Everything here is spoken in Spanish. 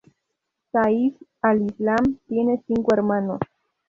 Saif al Islam tiene cinco hermanos.